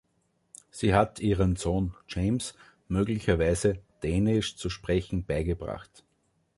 Sie hat ihrem Sohn James möglicherweise Dänisch zu Sprechen beigebracht.